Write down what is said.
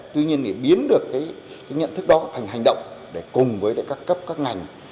tuy nhiên biến được nhận thức đó thành hành động để cùng với các cấp các ngành